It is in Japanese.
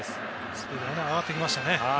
スピードが上がってきましたね。